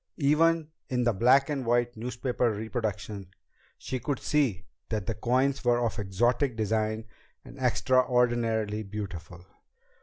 Even in the black and white newspaper reproduction, she could see that the coins were of exotic design and extraordinarily beautiful.